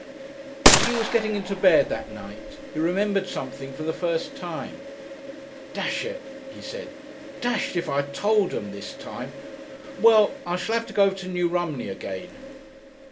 As he was getting into bed that night he remembered something for the first time! "Dash it!" he said. "Dashed if I told 'em this time.... Well! I shall 'ave to go over to New Romney again!"